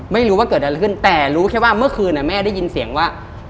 ไม่รู้ว่าเกิดอะไรขึ้นแต่รู้แค่ว่าเมื่อคืนแม่ได้ยินเสียงว่า